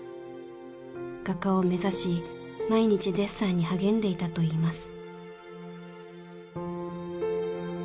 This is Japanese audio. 画家を目指し毎日デッサンに励んでいたといいます。